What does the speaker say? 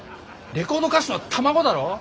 レコード歌手の卵だろ？